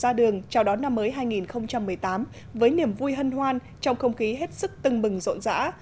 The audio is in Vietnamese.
ra đường chào đón năm mới hai nghìn một mươi tám với niềm vui hân hoan trong không khí hết sức tưng bừng rộn rã